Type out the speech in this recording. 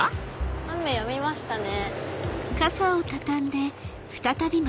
雨やみましたね。